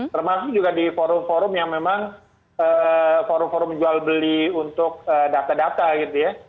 termasuk juga di forum forum yang memang forum forum jual beli untuk data data gitu ya